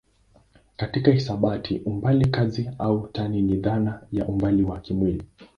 Katika hisabati umbali kazi au tani ni dhana ya umbali wa kimwili.